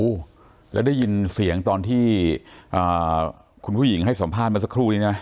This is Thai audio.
โอ้โหแล้วได้ยินเสียงตอนที่อ่าคุณผู้หญิงให้สัมภาษณ์มาสักครู่นี้นะ